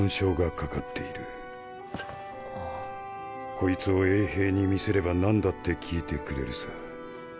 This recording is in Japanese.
こいつを衛兵に見せれば何だって聞いてくれるさ。